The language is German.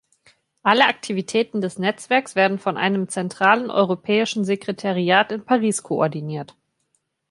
Alle Aktivitäten des Netzwerks werden von einem zentralen Europäischen Sekretariat in Paris koordiniert.